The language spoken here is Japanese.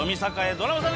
ドラムさん！